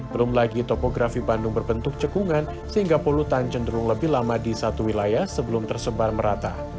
belum lagi topografi bandung berbentuk cekungan sehingga polutan cenderung lebih lama di satu wilayah sebelum tersebar merata